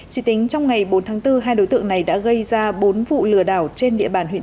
chỉ tính trong ngày bốn tháng bốn hai đối tượng này đã gây ra bốn vụ lừa đảo trên địa bàn huyện